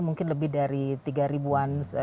mungkin lebih dari tiga ribuan